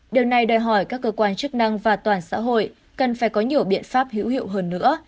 điều này đòi hỏi các cơ quan chức năng và toàn xã hội cần phải có nhiều biện pháp hữu hiệu hơn nữa